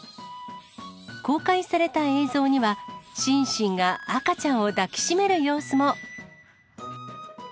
公開された映像には、シンシンが赤ちゃんを抱きしめる様子も。